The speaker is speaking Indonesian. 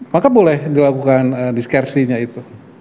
maka boleh dilakukan diskersinya itu